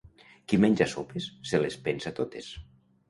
Qui menja sopes se les pensa totes